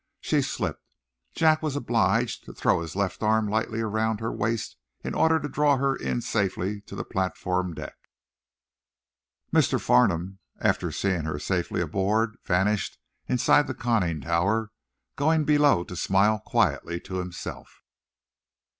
She slipped. Jack was obliged to throw his left arm lightly around her waist in order to draw her in safety to the platform deck. Mr. Farnum, after seeing her safely aboard, vanished inside the conning tower, going below to smile quietly to himself.